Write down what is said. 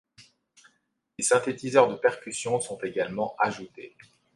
Des synthétiseurs de percussions sont également ajoutés.